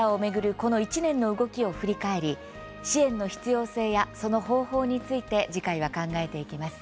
この１年の動きを振り返り支援の必要性やその方法について次回は考えていきます。